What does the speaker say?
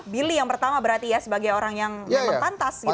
billy yang pertama berarti ya sebagai orang yang memang pantas gitu